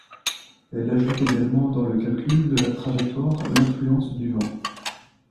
Elle ajoute également dans le calcul de la trajectoire l'influence du vent.